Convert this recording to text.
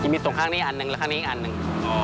มีตรงข้างนี้อันหนึ่งแล้วข้างนี้อีกอันหนึ่ง